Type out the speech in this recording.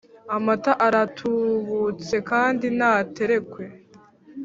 Amata aratubutse kandi naterekwe